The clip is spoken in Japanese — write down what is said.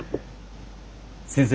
先生